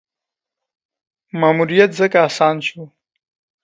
ماموریت ځکه اسانه شو.